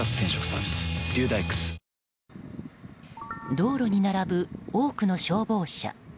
道路に並ぶ多くの消防車。